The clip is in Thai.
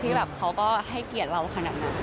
แบบเขาก็ให้เกียรติเราขนาดนั้น